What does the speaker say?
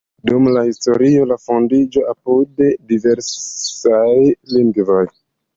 Dum la historio fondiĝis apude diversaj vilaĝoj.